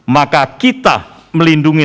maka kita melindungi